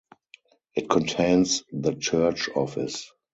It contains the church office.